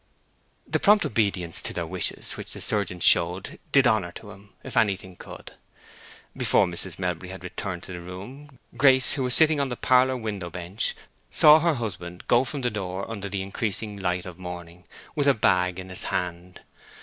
The prompt obedience to her wishes which the surgeon showed did honor to him, if anything could. Before Mrs. Melbury had returned to the room Grace, who was sitting on the parlor window bench, saw her husband go from the door under the increasing light of morning, with a bag in his hand.